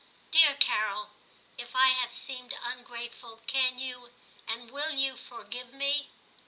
Dear Carol, if I have seemed ungrateful, can you and will you forgive me